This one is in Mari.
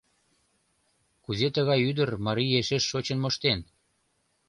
Кузе тыгай ӱдыр марий ешеш шочын моштен?